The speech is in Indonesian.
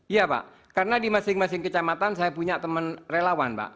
iya pak karena di masing masing kecamatan saya punya teman relawan pak